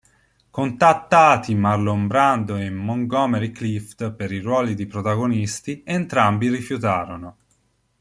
Contattati Marlon Brando e Montgomery Clift per i ruoli di protagonisti, entrambi rifiutarono.